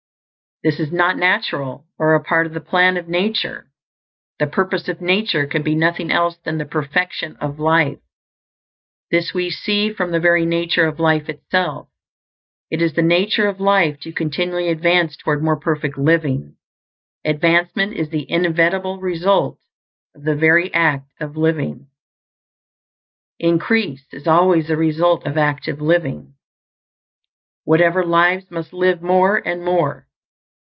This is not natural, or a part of the plan of nature. The purpose of nature can be nothing else than the perfection of life. This we see from the very nature of life itself. It is the nature of life to continually advance toward more perfect living; advancement is the inevitable result of the very act of living. Increase is always the result of active living; whatever lives must live more and more.